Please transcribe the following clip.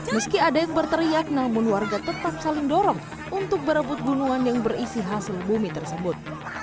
meski ada yang berteriak namun warga tetap saling dorong untuk berebut gunungan yang berisi hasil bumi tersebut